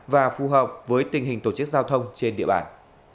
và phù hợp với tình hình tổ chức giao thông trên địa bàn